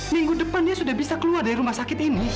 minggu depannya sudah bisa keluar dari rumah sakit ini